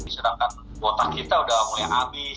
sedangkan botak kita sudah mulai habis